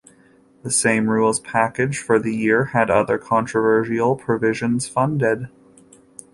The same rules package for the year had other controversial provisions funded.